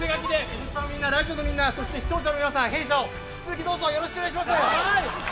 「Ｎスタ」のみんな、ラジオのみんな、そして視聴者の皆さん、弊社を引き続きよろしくお願いします。